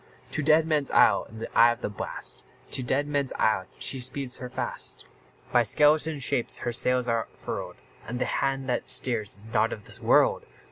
To Deadman's Isle, in the eye of the blast, To Deadman's Isle, she speeds her fast; By skeleton shapes her sails are furled, And the hand that steers is not of this world!